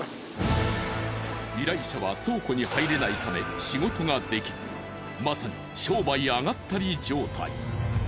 依頼者は倉庫に入れないため仕事ができずまさに商売あがったり状態。